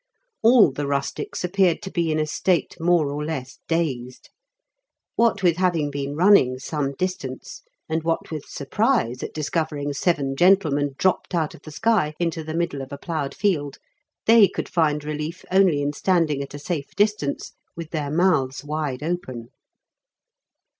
All the rustics appeared to be in a state more or less dazed. What with having been running some distance, and what with surprise at discovering seven gentlemen dropped out of the sky into the middle of a ploughed field, they could find relief only in standing at a safe distance with their mouths wide open.